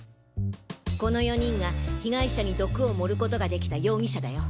この４人が被害者に毒を盛るコトができた容疑者だよ。